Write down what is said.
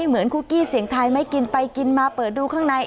เหมือนคุกกี้เสียงไทยไหมกินไปกินมาเปิดดูข้างใน